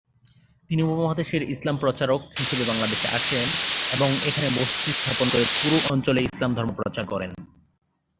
তিনি উপমহাদেশের ইসলাম প্রচারক হিসেবে বাংলাদেশে আসে এবং এখানে বসতি স্থাপন শুরু করে পুরো অঞ্চলে ইসলাম ধর্ম প্রচার করেন।